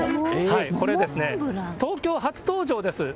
これですね、東京初登場です。